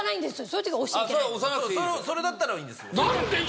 それだったらいいんですよ。